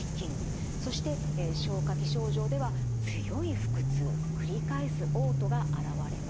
そして消化器症状では強い腹痛繰り返すおう吐があらわれます。